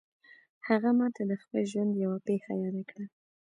هغې ما ته د خپل ژوند یوه پېښه یاده کړه